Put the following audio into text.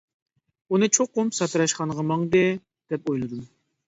ئۇنى چوقۇم ساتىراشخانىغا ماڭدى، دەپ ئويلىدىم.